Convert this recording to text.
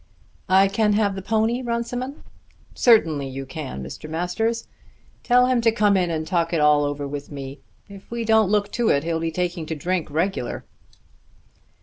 "I can have the pony, Runciman?" "Certainly you can, Mr. Masters. Tell him to come in and talk it all over with me. If we don't look to it he'll be taking to drink regular."